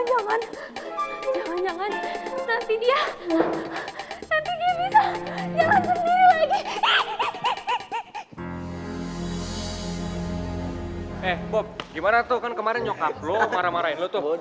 eh bob gimana tuh kan kemarin nyokap lo marah marahin lo tuh